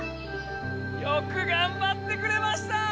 よくがんばってくれました！